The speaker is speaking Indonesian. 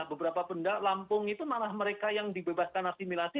beberapa benda lampung itu malah mereka yang dibebaskan asimilasi